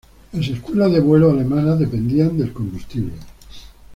Las escuelas de vuelo alemanas dependían del combustible.